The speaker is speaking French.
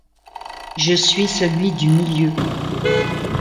Je suis celui du milieu.